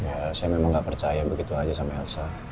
ya saya memang nggak percaya begitu saja sama elsa